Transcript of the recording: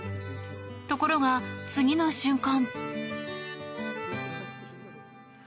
ところが、次の瞬間。